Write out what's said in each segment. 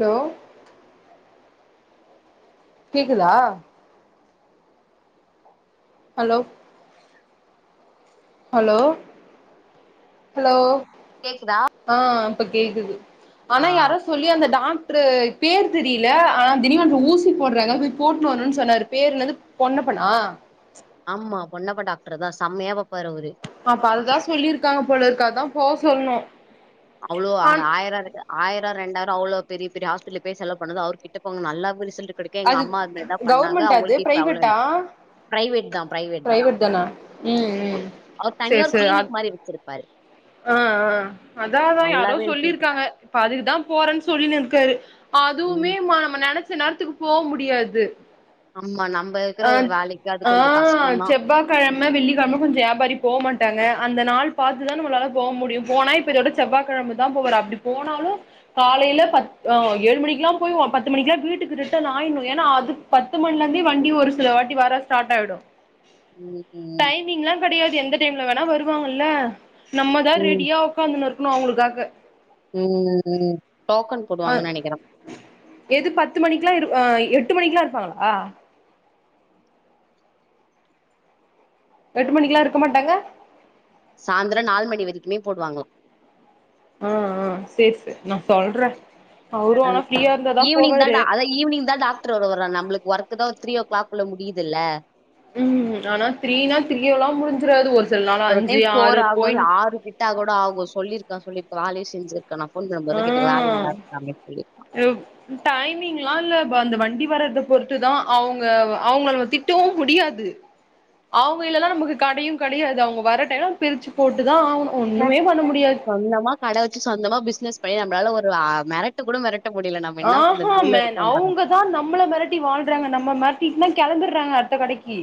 Hello கேக்குதா hello hello hello கேக்குதா ஆ அப்ப கேக்குது ஆ ஆனா யாரோ சொல்லி அந்த டாக் டரு பேர் தெரியல ஆனா திடீவென ஊசி போடறாங்க போய் போட்னுவரனுன்னு சொன்னாரு பேர் என்னது பொன்னப்பானா ஆமா பொன்னப்ப டாக்டர் தா செம்மையா பாப்பாரு அவரு அப்ப அதுதா சொல்லிருக்காங்க போலருக்கு அதா போ சொல்ணு அவ்ளோ ஆர் ஆயரோ இருக்க ஆயரோ ரெண்டாரோ அவ்ளோ பெரிய பெரிய ஹாஸ்பெட்டல பேயி செலவு பண்ணது அவுரு கிட்ட போனோ நல்லா இப்ப ரிசல்ட்டு கெடைக்கு க்கே எங்க அம்மா அது மேரிதா பண்ணாங்க கவர்மெண்டா அது அவுங்குளுக்கு இப்ப அவ்ள பிரைவேட்டா இல்ல ப்ரைவேட் தா ப்ரைவேட் தா பிரைவேட் தானா ம் ஆமா ம் அவுரு தனியா சேரி ஒரு சேரி அ கிளீினிக் மாரி வச்சிருப்பாரு ஆ ஆ அதா அதா யாரோ நல்லாவே ரிசல்ட் சொல்லிருக்காங்க இப்ப அதுக்குதா போறன் சொல்லினு இருக்காரு ம் அதுவுமேமா நம்ம நெனைச்ச நேரத்துக்கு போ முடியாது ஆமா நம்ம இருக்குற வேலைக்கு அது கொஞ்சோ கஷ்டந்தா கெழம வெள்ளிக்கெழம கொஞ்சோ யாபாரி போ மாட்டாங்க அந்த நாள் பாத்து தா நம்மளால போ முடியு போனா இப்ப இதோட செவ்வா கெழம தா போவாரு அப்டி போனாலு காலைல பத் ஆ ஏழு மணிக்குலா போயிவோ பத்து மணிக்குலா வீட்டுக்கு ரிட்டன் ஆயின்னு ஏனா அது பத்து மண்லேந்தே வண்டி ஒரு சில வாட்டி வர ஸ்டார்ட் ஆயிடு ம் ம் டைமிங்லா கெடையாது எந்த டைம்ல வேணா வருவாங்கல்ல நம்மதா ம் ரெடியா உக்காந்துன்னு இருக்குணு அவுங்குளுக்காக ம் ம் டோக்கன் ஆ போடுவாங்கன் நெனைக்குறே எது பத்து மணிக்குலா இரு ஆ எட்டு மணிக்குலா இருப்பாங்ளா எட்டு மணிக்குலா இருக்க மாட்டாங்க சாயந்தரோ நால் மணி வரைக்குமே போடுவாங்ளா ஆ ஆ சேரி சேரி நா சொல்றே அவுரு ஆனா ஃப்ரீயா இருந்தாதா ஈவினிங் தான் போவாரு டா அதான் ஈவினிங் தா டாக்ட்ரு வருவாரா நம்ளுக்கு ஒர்க் தா ஒரு த்ரீ ஓ கிளாக்குள்ள முடியுது இல்ல ம் ஆனா த்ரீனா த்ரீயோலா முடிஞ்சிறாது ஒர் ஒரு டைம் போறாங்க ஆறு [inaudible] கட்டா கூட அவுங்க சொல்லிருக்க சொல்லிருக்க ஆலே செஞ்சிருக்க நா ஃபோன் ஆ மொதல்ல கேட்டுக்கவா ஆள் [inaudible] அப்டின் சொல்லி டைமிங்லா இல்ல வ அந்த வண்டி வரத பொறுத்துதா அவங்க அவுங்கள நம்ம திட்டவு முடியாது அவுங்க இல்லனா நமக்கு கடையு கடையாது அவங்க வர டைம் நாம பிரிச்சு போட்டுதா ஆவுணு ச்ச சொந்தமா கடை வச்சு சொந்தமா பிஸ்னஸ் பண்ணி நம்ளால ஒரு ஆ மெரட்டு கூட மெரட் ட்ட முடில நம்ம என்ன பண்ண [inaudible] இருக்கோ பாருங்க தா நம்மள மெரட்டி வாழ்றாங்க நம்ம மெரட்டிட்டு தா கெளம்பிட்றாங்க அடுத்த கடைக்கு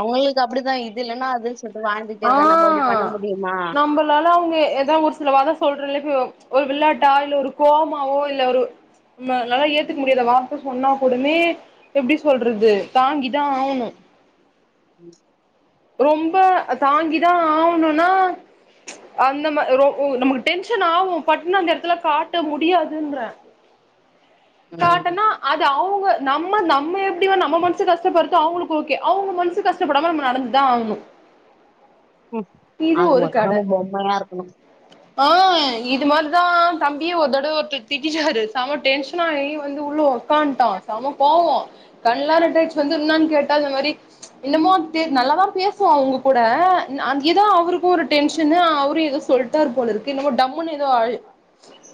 அவுங்குளுக்கு அப்டிதா இது இல்லனா அதுன் சொல்லிட்டு வாழ்ந்துட்டே இருக்க நம்ப அப்டி பண்ண முடியுமா லால அவுங்க ஏ எதா ஒரு சில வாத சொல்றல்ல இப்ப ஒரு விளாட்டா இல்ல ஒரு கோவமாவோ இல்ல ஒரு நம்மனால ஏத்துக்க முடியாத வார்த்த சொன்னா கூடமே எப்டி சொல்றது தாங்கிதா ஆவுணு உம் ரொம்ப தாங்கிதா ஆவணுனா அந்த ம ரோ ஓ நமக்கு டென்ஷன் ஆவு பட்னு அந்த எடத்துல காட்ட முடியாதுன்றே ம், காட்டனா அது அவுங்க நம்ம நம்ம எப்டியோ நம்ம மனசு கஷ்டப்படுத்த அவுங்களுக்கு ஓகே அவுங்க மனசு கஷ்டப்படாம நம்ம நடந்து தா ஆகுணு ஹும் ஆக ஒரு மொத்தோ கட நம்ம பொம்மையா இருக்கணு ஆ இது மாரிதா தம்பிய ஒரு தடவ ஒருத்த திட்டிடாரு செம டென்ஷனாயி வந்து உள்ள உக்கான்ட்டா சம கோவோ கண்லா ரெட் ஆயிட்ச்சி வந்து இன்னான் கேட்டா இந்த மாரி இன்னமோ தே நல்லாதா பேசுவா அவுங்க கூட நா அங் எதோ அவுருக்கு ஒரு டென்ஷனு அவுரு எதோ சொல்ட்டாரு போலருக் என்னுமோ டம்முனு எதோ அயி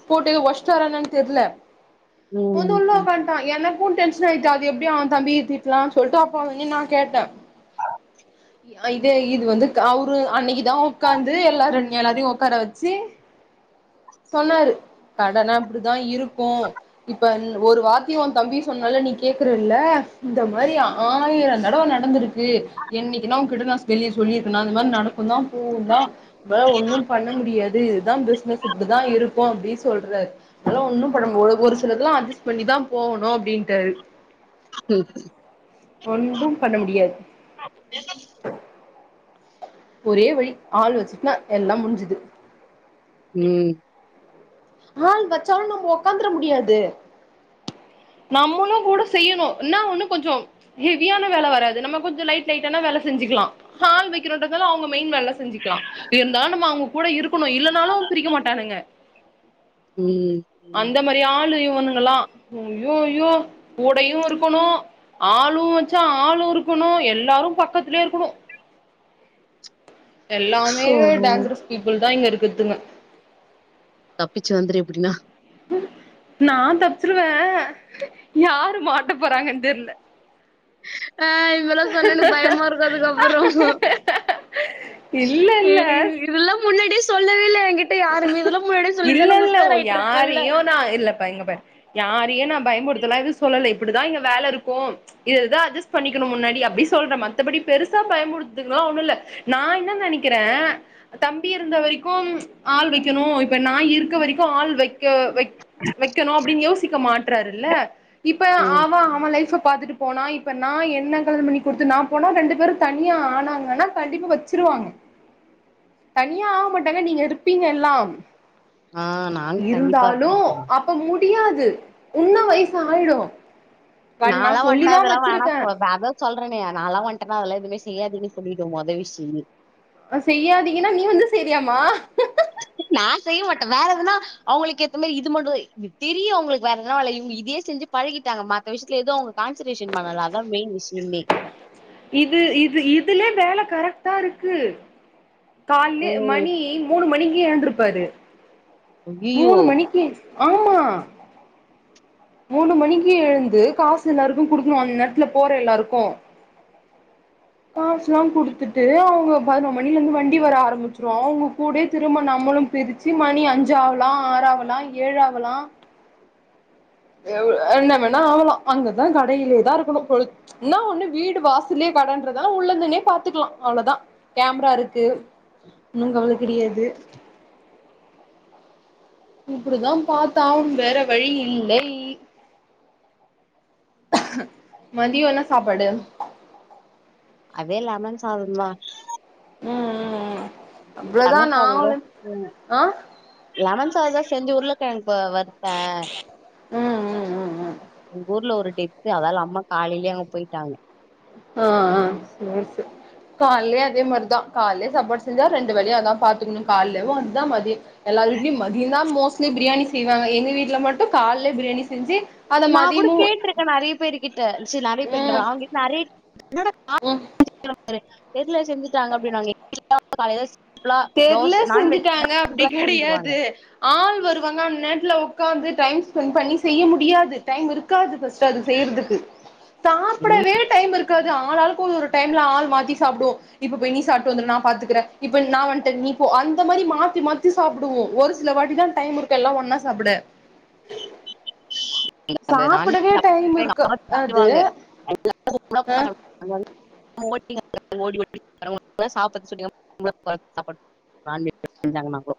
போட்டு ஒஷ்ட்டாரானு என்னனு தெர்ல பொந்து ம், உள்ள ம், உக்காந் டா எனக்கு டென்ஷன் ஆயிட்டு அது எப்டி அவ தம்பிய திட்லானு சொல்ட்டு அப்போ அவ நின்னா கேட்ட இ இதே இது வந்து அவுரு அன்னக்கிதா உக்காந்து எல்லாரு எல்லாரையு உக்கார வச்சு சொன்னாரு கடனா அப்டிதா இருக்கு இப்ப நீ ஒரு வார்த்தி ஒ தம்பி சொன்னாலே நீ கேக்குறல்ல இந்த மாரி ஆயிரோ தடவ நடந்திருக் கு என்னக்கினா ஒங்கிட்ட நா வெளிய சொல்லிருக்கேனா இந்த மாரி நடக்குந்தா போவுந்தா நம்பளால ஒன்னு பண்ண முடியாது இதுதா பிசினஸ் இப்டிதா இருக்கு அப்டி சொல்றாரு அதெல்லா ஒன்னும் பண்ணமுடி ஒரு ஒரு சிலதெல்லா அட்ஜஸ் பண்ணிதா போவணு அப்டின்ட்டாரு ம் ஒன்றும் பண்ண முடியாது ஒரே வழி ஆள் வச்சுட்டுன்னா எல்லா முடிஞ்சுது ம் ஆள் வச்சாலு நம்ம ஒக்காந்துர முடியாது நம்மளு கூட செய்யணு என்னா ஒன்னு கொஞ்சோ ஹெவியான வேல வராது நம்ம கொஞ்சோ லைட் லைட்டான வேல செஞ்சுக்கலா ஹால் வெக்கிறோன்றதால அவுங்க மெயின் வேல செஞ்சுக்கலா இருந்தாலு நம்ம அவுங்க கூட இருக்கணு இல்லனாலு பிரிக்க மாட்டானுங்க ம் ம். அந்த மாரி ஆளு இவனுங்கெல்லா ஐயோ ஐயோ கூடயு இருக்கணு ஆளு வச்சா ஆளு இருக்கணு எல்லாரு பக்கத்துலயே இருக்கணு எல்லாமே ஷோ, டேஞ்சரஸ் பீப்புள்தா இங்க இருக்கத்துங்க தப்பிச்சு வந்துரு எப்டின்னா நா தப்ச்சிருவே யாரு மாட்ட போறாங்கன்னு தெர்ல ஆ இதெல்லா சொன்னா எனக்கு பயமா இருக்கு அதுக்கப்றோ இல்ல ஏ வி இல்ல இதெல்லா முன்னாடியே சொல்லவே இல்ல எங்கிட்ட யாருமே இதெல்லா முன்னாடியே இல்ல சொல்லிருந்தா நா இல்ல ஓ உசார் ஆயிட்ருப்பல்ல யாரையு நா இல்லப்பா இங்க பார் யாரையு நா பயமுறுத்தல எதுவு சொல்லல இப்டிதா இங்க வேல இருக்கும் இததா அட்ஜஸ் பண்ணிக்கணு முன்னாடி அப்டி சொல்ற மத்தபடி பெருசா பயமுறுத்தக்கெல்லா ஒன்னு இல்ல நா என்ன நெனைக்கிற தம்பி இருந்த வரைக்கும் ஆள் வெக்கணு இப்ப நா இருக்க வரைக்கு ஆள் வெக்க வெக் வெக்கணு அப்டின்னு யோசிக்க மாட்றாருல இப்ப ம் அவ அவ லைஃப பாத்துட்டு போனா இப்போ நா என்ன கல்யாணோ பண்ணி குடுத்து நா போனா ரெண்டு பேரு தனியா ஆனாங்கன்னா கண்டிப்பா வச்சுருவாங்க தனியா ஆவ மாட்டாங்க நீங்க இருப்பீங்க எல்லா ஆ நாங்க கண்டிப்பா இருந்தாலும் இருப்போம்ப்பா அப்ப முடியாது உன்ன வயசு ஆயிடு கண் நா நால்லா வந்ட்டா சொல்லிதா இதெல்லா வேணா வச்சிருக்கே சொல் அதா சொல்றேனே நால்லா வந்ட்டேனா அதெல்லா எதுவுமே செய்யாதீங்கன்னு சொல்லிடுவ மொத விஷயமே ஆ செய்யாதீங்கன்னா நீ வந்து செய்ரியாம்மா நா செய்ய மாட்ட வேற எதுனா அவுங்களுக்கு ஏத்த மாரி இது மட்டு இது தெரியு அவுங்களுக்கு வேற எதனா அலையு இதே செஞ்சு பழகிட்டாங்க மத்த விஷயத்துல எது அவுங்களுக் கான்சன்ட்ரேஷன் பண்ணல அதா மெயின் விஷயமே இது இது இதுல வேல கரெக்டா இருக்கு கால்லே ம் மணி மூணு மணிக்கி எந்திருப்பாரு ஐயையோ மூணு மணிக்கி ஆமா மூணு மணிக்கு எழுந்து காசு எல்லாருக்கு குடுக்ணு அந்நேர்த்துல போற எல்லாருக்கு காஸ்லா குடுத்துட்டு அவுங்க பதினோரு மணிலர்ந்து வண்டி வர ஆரமிச்ரு அவுங்க கூடே திரும்ப நம்முளு பிரிச்சு மணி அஞ்சாவ்லா ஆறாவுலா ஏழாகலா எவுள் என்ன வேணா ஆவுலா அங்கதா கடைலேதா இருக்குணு பொழு இன்னா ஒன்னு வீடு வாசுலே கடன்றதா உள்ள நின்னே பாத்துக்லா அவ்ள தா கேம்ரா இருக்கு ஒன்னு கவல கெடயாது இப்டிதா பாத்தாவ்னு வேற வழி இல்லை மதியோ என்ன சாப்பாடு அதே லமன் சாதந்தா ம் ம் ம் அவ்ளதா லெமன் நாங்ளே ஆ லமன் சாதா செஞ்சு உர்ல கெழ்ங்கு வருத்த ம் ம் ம் ம் எங்க ஊர்ல ஒரு டெத் து அதால அம்மா காலையே அங்க போய்ட்டாங்க ஆ அ சேர் சேர் கால்லே அதே மார்தா கால்லே சாப்பாடு செஞ்சா ரெண்டு வேல்யு அதா பாத்துக்குணு கால்லேவு அதா மதிய எல்லார் வீ்ட்ல்யு மதியந்தா மோஸ்ட்லி பிரியாணி செய்வாங்க எங்க வீட்ல மட்டு காலே பிரியாணி செஞ்சு அத நா கூட மதியமு கேட்டிருக்க நறைய பேரு கிட்ட சு நறைய பேருன்ற ம் பாரு அவ்ங்கிட் நறை ம் [inaudible] தெர்ல செஞ்சுட்டாங்க அப்டின்னாங்க [inaudible] காலேல தெர்ல செஞ்சுட்டாங்க அப்டி செஞ்சுருவாங்க கெடயாது ஆள் வருவாங்க அந்நேர்த்துல உக்காந்து டைம் ஸ்பெண் பண்ணி செய்ய முடியாது டைம் இருக் காது பஸ்ட்டு அது செய்யற்துக்கு இங்கே கே டைம் இருக்காது ஆளாளுக்கு ஒரு டைம்ல ஆள் மாத்தி சாப்டுவோ இப்ப போய் நீ சாப்ட்டு வந்த்ரு நா பாத்துக்கிற இப்ப நா வன் ட்ட நீ போ அந்த மாரி மாத்தி மாத்தி சாப்டுவோ ஒரு சில வாட்டி தா டைம் இருக்கு எல்லா ஒன்னா சாப்புட அந்த நான் [inaudible] சாப்டவே டைம் எங்க அம்மா இருக்காது திட்டுவாங்க [inaudible] ஆ [inaudible] சாப்பர்து [unintelligible] நான் [inaudible] வஞ்சாங்கனாகோ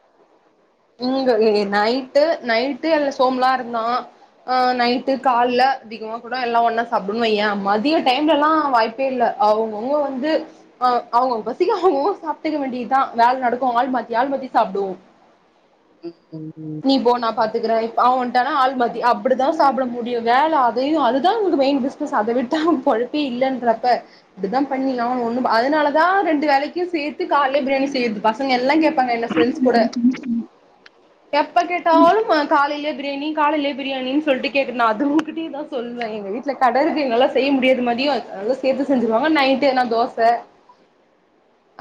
இங்க இங்க நைட்டு நைட்டு எல்ல சோமுலா இருந்தான் ஆ நைட்டு கால்ல அதிகமா கூட எல்லா ஒன்னா சாப்டுன் வைய மதியோ டைம்லலா வாய்ப் பே இல்ல அவுங்கவ்ங்க வந்து அ அவுங்கவுங்க பசிக்கு அவுங்கவுங்க சாப்ட்டுக்க வேண்டிதா வேல் நடக்கு ஆள் மாத்தி ஆள்மாத்தி சாப்டுவோ ம் ம் ம் நீ போ நா பாத்துக்கிற இப்ப அவு வன்ட்டானா ஆள் மாத்தி அப்புடிதா சாப்ட முடியு வேல அதிகோ அதுதா நமக்கு மெய்ன் பிஸ் னஸ் அதவிட்டா பொழப்பே இல்லன்றப்ப அப்படிதா பண்ணி நாங்ளு ஒன்னு அதுனாலதா ரெண்டு வேலைக்கு சேத்து கால்லே பிரியாணி செய்யற்து பசங்கெல்லா கேப் பாங்க என்ன ஃப்ரெண்ட்ஸ் கூட எப்ப கேட்டாலு மா காலேலே பிரியாணி காலேலே பிரியாணின் சொல்ட்டு கேட்டுனா அது உங்கிட்டியே தா சொல்வேன் எங்க வீட்ல கட இருக்கு இங்கலா செய்ய முடியாது மதியோ அத சேத்து செஞ்சிருவாங்க நைட்டுனா தோச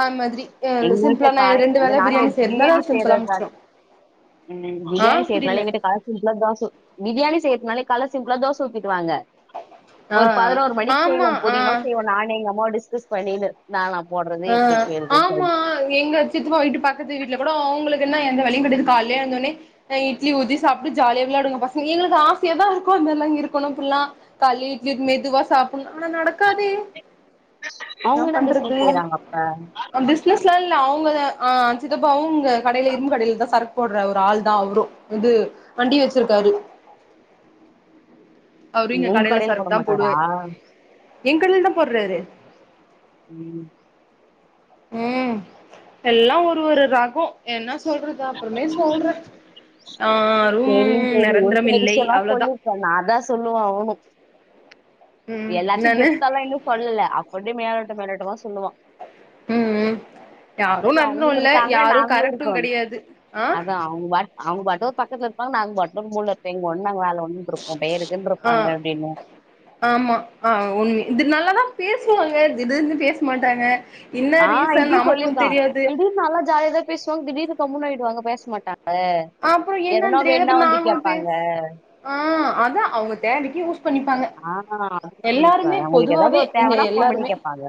அது மாதிரி் அ எங்க வீட்ல சிம்ப்ளா நா காலை ரெண்டு இந்த வேல பிரியாணி நான்வெஜ் செய்ற்துனால சிம்புளா செய்யறதுக்கா முட்ச் ம் பிரியாணி செய்யற்த்னாலே புரியல எங்கட்ட காஸ் சிம்ப்ளா தோசு பிரியாணி செய்யற்துனாலே கால சிம்ப்ளா தோச ஊத்திட்டு வாங்க ஆ ஒரு பதுனோரு மணிக் செய்வோ ஆமா ஆ பொதிமா செய்வோ நானு எங்கம்மாவு டிஸ்கஸ் பண்ணிகினு னானா போடுறது ஆ எப்டி செய்யறதுன்னு ஆமா சொல்லிட்டு எங்க சித்துப்பா வீட்டு பக்கது வீட்டுல குடோ அவங்களுக்கு என்ன எந்த வலியு கிடது கால்லே எழுந்தவுடனே ஹ இட்லி ஊத்தி சாப்ட்டு ஜாலியா விளையாடுங்க பஸ்ஸுங்க எங்களுக்கு ஆசையா தா இருக்கு இந்தெல்லா இருக்கணு புல்லா கால்லி இட்லிட் மெதுவா சாப்புண் ஆனா நடக்காதே அவ்ங்கதா பிசினஸ் செய்றாங்கப்ப அ பிசினஸ் ல்லா இல்ல அவ்ங்கத ஆ சித்தப்பாவு ங்க கடையில இரும்பு கடைய்ல தா சரக் போட்ற ஒரு ஆள் தா அவ்ரு இது வண்டி வச்சிருக்காரு அவரு இங்க உங்க கடைல கடையில போட சரக்தா போடுவ மாட்டாரா என் கடில் தா போடுறாரு உம் ம் எல்லா ஒரு ஒரு ரகோ என்ன சொல்றது அப்றுமே சொல்ற ஆ அரும் நெரந்தரம் இல்லை அவ்ளதா ச நாதா சொல்லுவே அவனு ம் எல்லாத்தையு என்னானு டெப்தலா இன்னு சொல்லல அப்படி மேலோட்ட மேலாட்டமா சொல்லுவா ம்ம் யாரு பக்கத்துல நடந்து அவங்களு உல்ல இருக்காங்க யாரு நாங்களு இருக் கரக்டு கிடையாது ஆ அதா அவங்க பாட் அவங்க பட்டூர் பக்கத்துல இருப்பாங்க நாங் பட்டும் மூல இப்பேங் ஒண்ணங் வேல ஒன்னுன்ருப்போ பேர் ஆ இருக்குன்றப்பாங்க அப்டின்னு ஆமா ஆ உண்மே இது நல்லாதா பேஸ்வாங்க திடுனு பேஸ் மாட்டாங்க என்ன ஆ ரீசன் இத்யு நமக்கு சொல்லிர்க்கா தெரியாது திடீனு நல்லா ஜாலிதக் பேஸ்வாங் திடீர்னு கம்முன்னு ஆய்டுவாங்க பேஸ் மாட்டாங்க அப்றோ எதனா என்னன் தெரியாது வேணுனா அப்ற வந்து நாங்ளு கேப்பாங்க பேஸ் ஆ அதா அவங்க தேடிக்கி யூஸ் பண்ணிப்பாங்க ஆ அனு எல்லாருமே சொல்லிருக்காக் உங்களுக்கு பொதுவாவே ஏதாவது இங்க தேவனா ஃபோன் பண்ணி எல்லாருமே கேப்பாங்க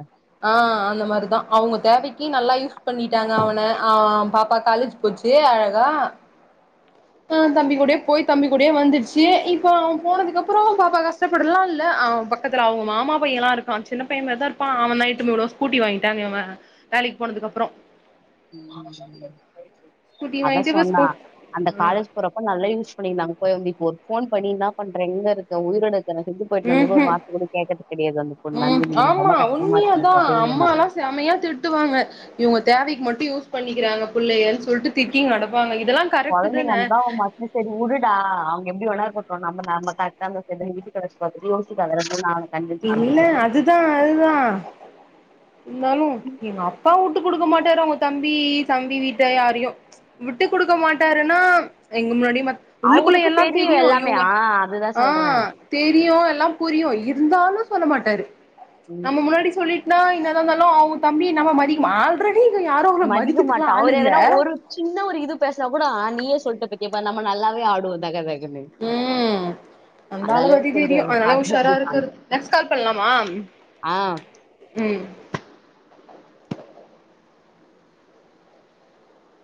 ஆ அந்த மாரிதா அவங்க தேவைக்கி நல்லா யூஸ் பண்ணிட்டாங்க அவன ஆ பாப்பா காலேஜ் பொச்சே அழகா ஆ தம்பி கூடயே போய் தம்பி கூடயே வந்துர்ச்சி இப்போ அவன் போனதுக்கு அப்றோ பாப்பா கஷ்டப்படலா இல்ல அவ் பக் க்கத்துல அவங்க மாமா பையல்லா இருக்கா சின்ன பையன்மார்தா இருப்பா அவன் நைட்டு நுலோ ஸ்கூட்டி வாங்கிட்டாங்க இவன் வேற வேலிக்கு போனதுக்கப்றோ ம் ம் ஸ்கூட்டி அத வாங்கிட்டு இப்ப சொன்னா ஸ்கூ அந்த ம் காலேஜ் போரப்ப நல்லா யூஸ் பண்ணிந்தாங் ப இந்தி போர் ஃபோன் பண்ணி தா பண்றேங் இங்கருக்க உய்ரோட இக்கற செந்து போய்ட்னு இன்னொர் ம்ஹும் வாசத்து கேக்கற்து கெடியாது அந்த பொண் ம் நந்தின ஆமா ரொம்ப கஷ்டமா இருக்குன் உண்மையாதா அப்பவே வேணு அம்மாலா செமையா திட்டுவாங்க இவங்க தேவைக்கு மட்டு யூஸ் பண்ணிக்கிறாங்க புள்ளையன் சொல்ட்டு திட்டி நடப்பாங்க இதெல்லான் பழனி வந்தா மஸ் தி செரி உடுடா அவங்க எப்டி வேணா இருக்கட்டு நம்ம நாம்ப கரக்டா யோசிது வீட்டுக் அழச்சி வரது யோசிப்பாங்க [unintelligible] இல்ல அதுதா அலுதா இந்தாலு எங்க அப்பாவுட் ட்டு குடுக்க மாட்டாறு அவ்ங்க தம்பி தம்பி வீட்ட யாரையு விட்டு குடுக்க மாட்டாருன்னா எங்க முன்னாடி மத் உள்ளுக்குள்ள அவருக்கு எல்லா தெரியு எல்லாமே இவ்ங்க ஆ அதுதா ஆ சொல்றே தெரியு எல்லா புரியு இருந்தாலு சொல்ல மாட்டாரு ம் நம்ம முன்னாடி சொல்லிட் நா இன்னாதாந்தாலு அவுக் தம்பி நம்ம மதிக்மா ஆல்ரெடி இங்க யாரு அவங்க மதிக்க மதிக்கத்துக்லா மாட்டான் ஆள் அவரு இல்ல எதனா ஒரு சின்ன ஒரு இது பேஸ்னா கூட நீயே சொல்ட்டு இப்ப கேப்ப நம்ம நல்லாவே ஆடுவோ தகதகன்னு ம் அந்த ஆள பத்தி தெரியு கொஞ்சம் அதனால உஷாரா பாத்துட்டு இர்க்குர் நெக்ஸ் கால் பண்லாமா ஆஹ் ம்